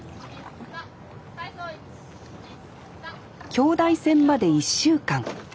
京大戦まで１週間。